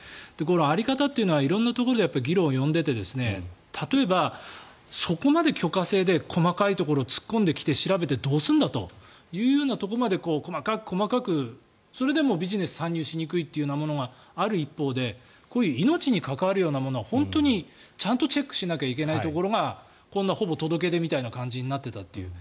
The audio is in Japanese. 在り方というのは色んなところで議論を呼んでいて例えば、そこまで許可制で細かいところを突っ込んできて調べてどうすんだというところまで細かく、細かくそれでもビジネスに参入しにくいというものがある一方で命に関わるものは本当にちゃんとチェックしなきゃいけないところがこんなほぼ届け出みたいな感じになっていたという。